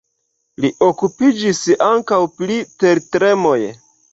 Li okupiĝis ankaŭ pri tertremoj.